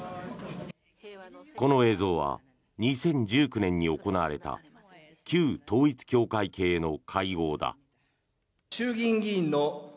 この映像は２０１９年に行われた旧統一教会系の会合だ。